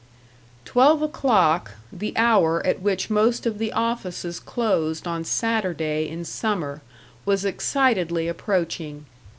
§ 4 Twelve o'clock, the hour at which most of the offices closed on Saturday in summer, was excitedly approaching.